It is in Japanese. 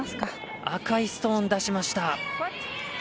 赤いストーン、出しました。